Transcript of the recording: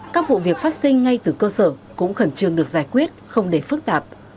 các vụ việc phát sinh ngay từ cơ sở cũng khẩn trương được giải quyết không để phức tạp